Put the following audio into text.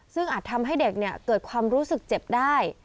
ซึ่งอาจทำให้เด็กเกิดความรู้สึกเจ็บได้